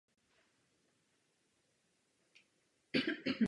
Základními rysy přístupu je partnerství a posilování.